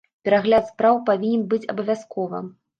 Перагляд спраў павінен быць абавязкова.